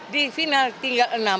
di final tinggal enam